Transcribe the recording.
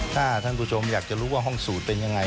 ถ้าท่านผู้ชมอยากจะรู้ว่าห้องสูตรเป็นยังไง